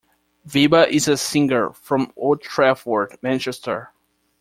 Veba is a singer from Old Trafford, Manchester.